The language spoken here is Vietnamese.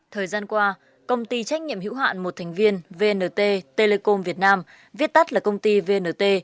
thời gian qua công ty trách nhiệm hữu hạn một thành viên vnt telecom việt nam viết tắt là công ty vnt